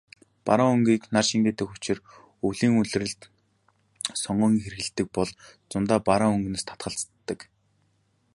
Бараан өнгийг нар шингээдэг учир өвлийн улиралд сонгон хэрэглэдэг бол зундаа бараан өнгөнөөс татгалздаг.